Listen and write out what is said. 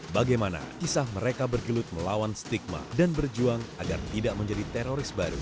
bagaimana kisah mereka bergelut melawan stigma dan berjuang agar tidak menjadi teroris baru